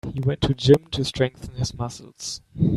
He went to gym to strengthen his muscles.